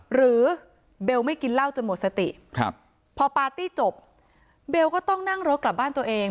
หรือเบลไม่กินเหล้าจนหมดสติพอปาร์ตี้จบเบลก็ต้องนั่งรถกลับบ้านตัวเอง